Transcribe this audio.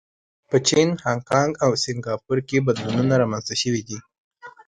په چین، هانکانګ او سنګاپور کې بدلونونه رامنځته شوي دي.